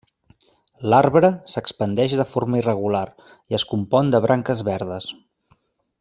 L'arbre s'expandeix de forma irregular, i es compon de branques verdes.